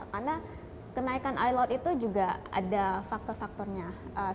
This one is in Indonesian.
karena kenaikan air laut itu juga ada fakta yang berbeda